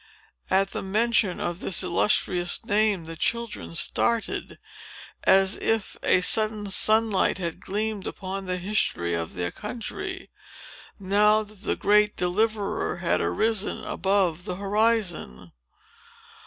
At the mention of this illustrious name, the children started, as if a sudden sunlight had gleamed upon the history of their country, now that the great Deliverer had arisen above the horizon.